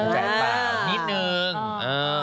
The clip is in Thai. ใช่เปล่านิดนึงเออ